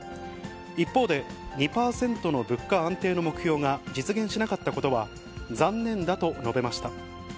一方で、２％の物価安定の目標が実現しなかったことは、残念だと述べました。